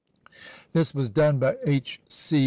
This was done by H. C.